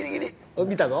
おい見たぞ。